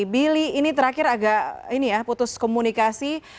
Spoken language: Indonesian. billy ini terakhir agak ini ya putus komunikasi